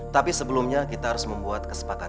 tapi sebelumnya kita harus membuat kesepakatan